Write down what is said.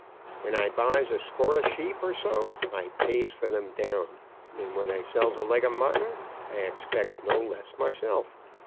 When I buys a score of sheep or so, I pays for them down; and when I sells a leg of mutton, I expects no less myself.